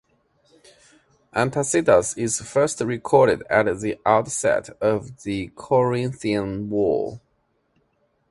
Antalcidas is first recorded at the outset of the Corinthian War.